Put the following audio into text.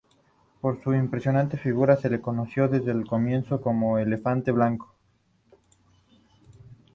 Por su imponente figura se lo conoció desde un comienzo como el Elefante Blanco.